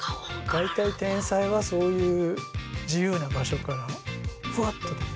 大体天才はそういう自由な場所からふわっと出てくる。